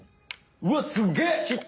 うわっすげえ！